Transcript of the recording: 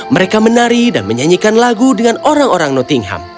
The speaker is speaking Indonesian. mereka menari dan menyanyikan lagu dengan orang orang nottingham